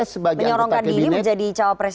menyorongkan diri menjadi cowok presiden